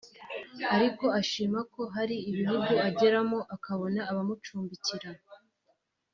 ariko ashima ko hari ibihugu ageramo akabona abamucumbikira